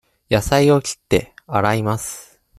野菜を切って、洗います。